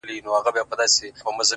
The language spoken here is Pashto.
خالونه دي د ستورو له کتاره راوتلي _